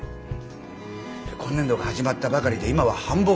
今年度が始まったばかりで今は繁忙期。